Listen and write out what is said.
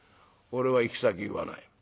俺は行き先言わない。